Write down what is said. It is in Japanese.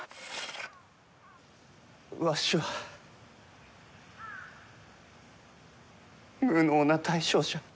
わしは無能な大将じゃ。